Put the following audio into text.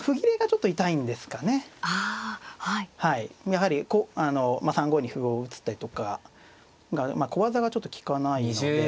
やはり３五に歩を打つ手とかがまあ小技がちょっと利かないので。